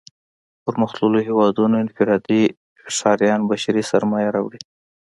پرمختلليو هېوادونو انفرادي ښاريان بشري سرمايه راوړي.